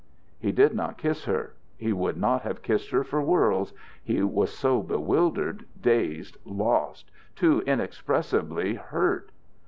He did not kiss her. He would not have kissed her for worlds. He was to bewildered, dazed, lost, too inexpressibly hurt.